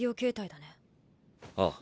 ああ。